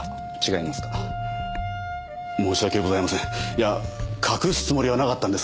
いや隠すつもりはなかったんですが。